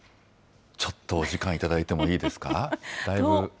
ちょっとお時間頂いてもいいですか。